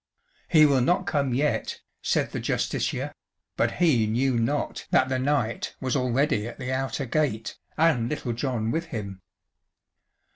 "He will not come yet," said the Justiciar, but he knew not that the knight was already at the outer gate, and Little John with him.